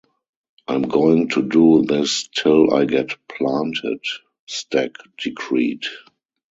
"I'm going to do this 'til I get planted," Stack decreed.